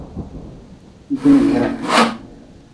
Gbligire.